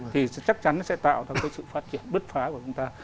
thì chắc chắn nó sẽ tạo ra cái sự phát triển bứt phá của chúng ta